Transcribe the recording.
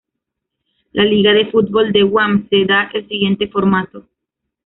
La liga de fútbol de guam se da el siguiente formato